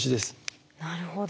なるほど。